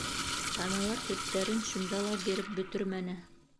Таналар һөттәрен шунда ла биреп бөтөрмәне.